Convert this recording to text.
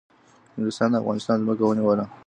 انگلیسان د افغانستان ځمکه ونیوله